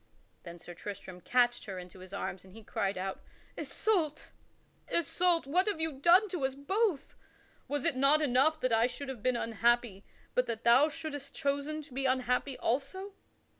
Then Sir Tristram catched her into his arms and he cried out: "Isoult! Isoult! what hast thou done to us both? Was it not enough that I should have been unhappy but that thou shouldst have chosen to be unhappy also?"